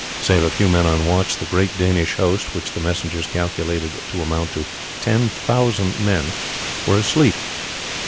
Save a few men on watch, the great Danish host, which the messengers calculated to amount to ten thousand men, were asleep.